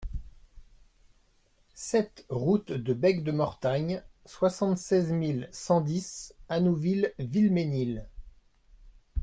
sept route de Bec de Mortagne, soixante-seize mille cent dix Annouville-Vilmesnil